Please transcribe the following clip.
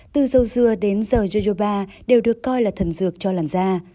từ dầu dừa đến dầu jojoba đều được coi là thần dược cho làn da